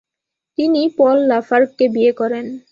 তিনি পল লাফার্গকে বিয়ে করেন।